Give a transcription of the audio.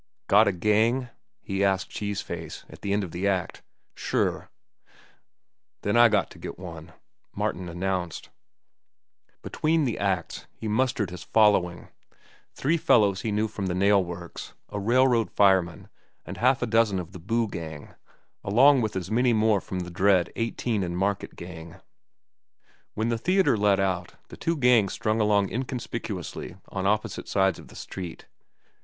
"Got a gang?" he asked Cheese Face, at the end of the act. "Sure." "Then I got to get one," Martin announced. Between the acts he mustered his following—three fellows he knew from the nail works, a railroad fireman, and half a dozen of the Boo Gang, along with as many more from the dread Eighteen and Market Gang. When the theatre let out, the two gangs strung along inconspicuously on opposite sides of the street.